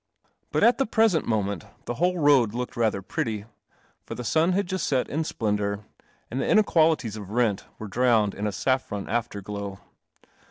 But at the present moment the whole road looked rather pretty, for the sun had just set in splendour, and theinequalities of rent were drowned in a saffron afterglow.